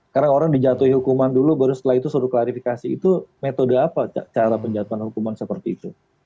karena orang dijatuhi hukuman dulu baru setelah itu disuruh klarifikasi itu metode apa cara penjatuhan hukuman seperti itu